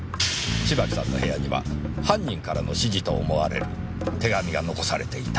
芝木さんの部屋には犯人からの指示と思われる手紙が残されていた。